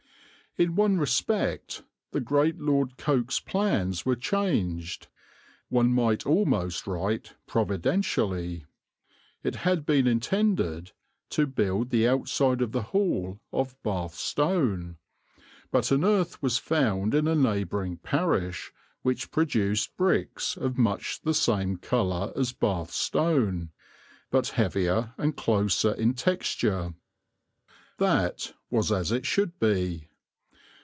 In one respect the great Lord Coke's plans were changed, one might almost write providentially. It had been intended to build the outside of the Hall of Bath stone, but an earth was found in a neighbouring parish which produced bricks of much the same colour as Bath stone, but heavier and closer in texture. That was as it should be.